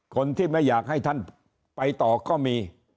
คนที่ไม่อยากให้ท่านไปต่อก็มี